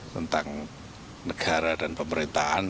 tentang negara dan pemerintahan